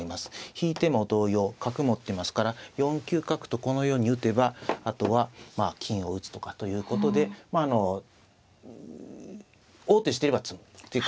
引いても同様角持ってますから４九角とこのように打てばあとは金を打つとかということでまああの王手してれば詰むっていう感じになってしまいます。